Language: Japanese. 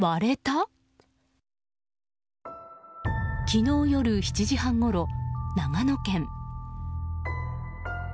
昨日夜７時半ごろ、長野県。